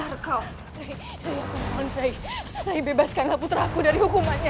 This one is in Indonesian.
ray bebaskanlah puteraku dari hukumannya